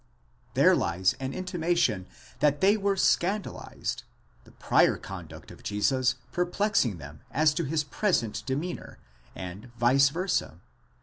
there lies an intimation that they were scandalized, the prior conduct of Jesus perplexing them as to his present demeanour, and vice versa.